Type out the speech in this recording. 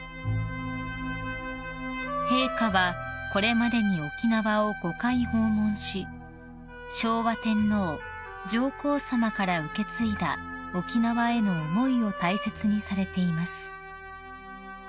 ［陛下はこれまでに沖縄を５回訪問し昭和天皇上皇さまから受け継いだ沖縄への思いを大切にされています］